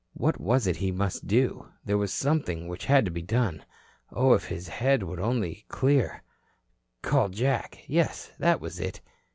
What was it he must do? There was something which had to be done. Oh, if his head only would clear. Call Jack! Yes, that was it.